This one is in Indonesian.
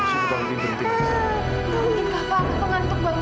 mungkin kakak aku ngantuk banget kali ya kak